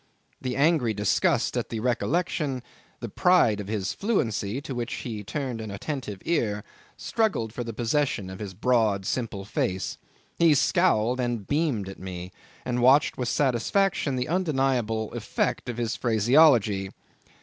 The angry disgust at the recollection, the pride of his fluency, to which he turned an attentive ear, struggled for the possession of his broad simple face. He scowled and beamed at me, and watched with satisfaction the undeniable effect of his phraseology.